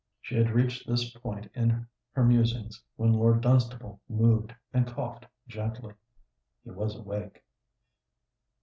She had reached this point in her musings, when Lord Dunstable moved, and coughed gently. He was awake.